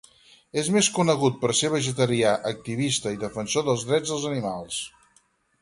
És més conegut per ser vegetarià activista i defensor dels drets dels animals.